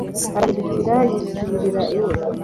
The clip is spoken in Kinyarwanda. arahindukira yisubirira iwe